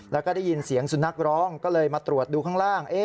แล้วก็ได้ยินเสียงสุนัขร้องก็เลยมาตรวจดูข้างล่าง